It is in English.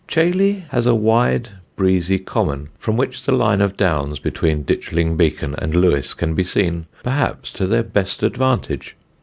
Chailey has a wide breezy common from which the line of Downs between Ditchling Beacon and Lewes can be seen perhaps to their best advantage.